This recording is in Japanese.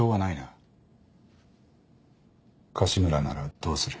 樫村ならどうする？